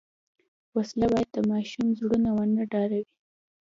وسله باید د ماشوم زړونه ونه ډاروي